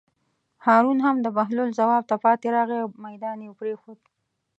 هارون هم د بهلول ځواب ته پاتې راغی او مېدان یې پرېښود.